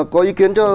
có ý kiến cho